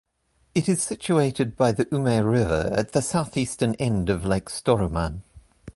It is situated by the Ume River, at the southeastern end of Lake Storuman.